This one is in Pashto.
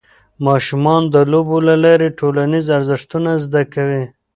ماشومان د لوبو له لارې ټولنیز ارزښتونه زده کوي.